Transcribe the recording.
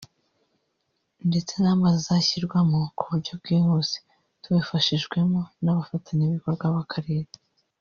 ndetse n’amazi azashyirwamo ku buryo bwihuse tubifashijwemo n’abafatanyabikorwa b’Akarere